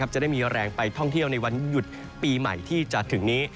จะได้มีแรงไปท่องเที่ยวในวันหยุดปีใหม่ที่จะถึงนี้